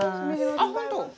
あっ本当？